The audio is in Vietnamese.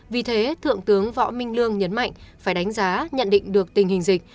vì thế thượng tướng võ minh lương nhấn mạnh phải đánh giá nhận định được tình hình dịch